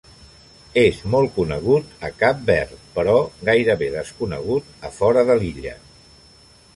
És molt conegut a Cap Verd, però gairebé desconegut a fora de l'illa.